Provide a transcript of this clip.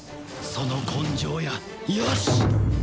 その根性やよし！